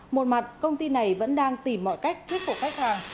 một mặt công ty này vẫn đang tìm mọi cách thuyết phục khách hàng